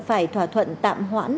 phải thỏa thuận tạm hoãn